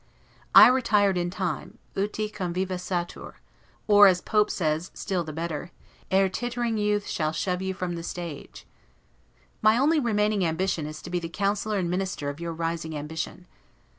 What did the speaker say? I retired in time, 'uti conviva satur'; or, as Pope says still better, ERE TITTERING YOUTH SHALL SHOVE YOU FROM THE STAGE. My only remaining ambition is to be the counsellor and minister of your rising ambition.